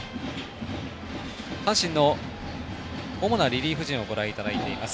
阪神の主なリリーフ陣をご覧いただいています。